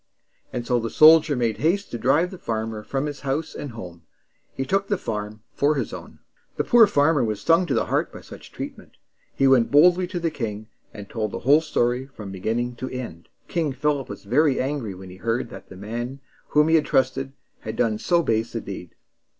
And so the soldier made haste to drive the farmer from his house and home. He took the farm for his own. The poor farmer was stung to the heart by such treat ment. He went boldly to the king, and told the whole story from beginning to end. King Philip was very angry when he learned that the man whom he had trusted had done so base a deed.